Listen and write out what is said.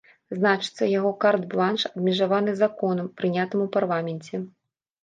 Значыцца, яго карт-бланш абмежаваны законам, прынятым у парламенце.